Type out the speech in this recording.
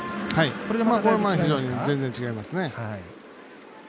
これは非常に全然、違いますね。